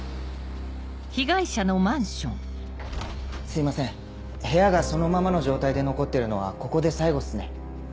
すいません部屋がそのままの状態で残ってるのはここで最後っすね。